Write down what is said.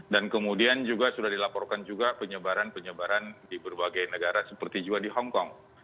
dan kemudian juga sudah dilaporkan juga penyebaran penyebaran di berbagai negara seperti juga di hongkong